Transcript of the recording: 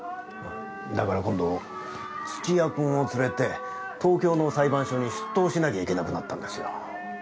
だから今度土谷君を連れて東京の裁判所に出頭しなきゃいけなくなったんですよ。